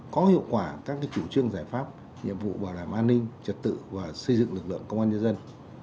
có hiệu quả các chủ trương giải pháp nhiệm vụ bảo đảm an ninh trật tự và xây dựng lực lượng công an nhân dân